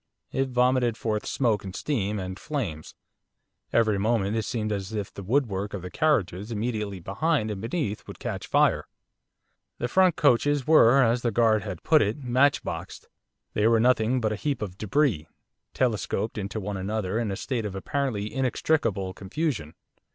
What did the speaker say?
It vomited forth smoke, and steam, and flames, every moment it seemed as if the woodwork of the carriages immediately behind and beneath would catch fire. The front coaches were, as the guard had put it, 'matchboxed.' They were nothing but a heap of débris, telescoped into one another in a state of apparently inextricable confusion.